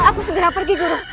aku segera pergi guru